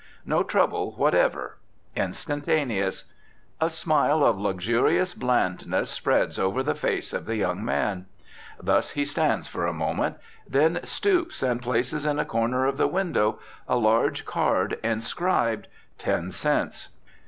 No trouble whatever. Instantaneous. A smile of luxurious blandness spreads over the face of the young man. Thus he stands for a moment. Then stoops and places in a corner of the window a large card inscribed "Ten Cents."